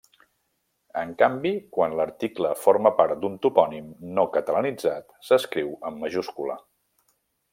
En canvi, quan l'article forma part d'un topònim no catalanitzat s'escriu en majúscula.